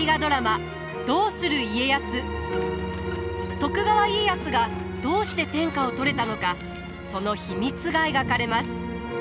徳川家康がどうして天下を取れたのかその秘密が描かれます。